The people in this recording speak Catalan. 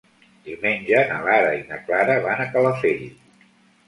Diumenge na Lara i na Clara van a Calafell.